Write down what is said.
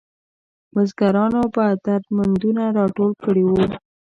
بزګرانو به درمندونه راټول کړي وو.